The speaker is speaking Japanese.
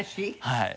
はい。